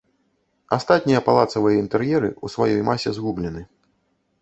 Астатнія палацавыя інтэр'еры ў сваёй масе згублены.